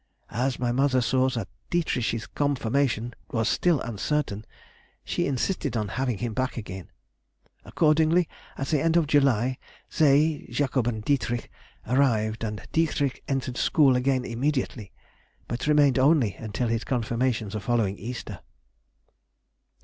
As my mother saw that Dietrich's confirmation was still uncertain, she insisted on having him back again.... Accordingly at the end of July they [Jacob and Dietrich] arrived, and Dietrich entered school again immediately," but remained only until his confirmation the following Easter.